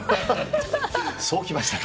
そうきましたか。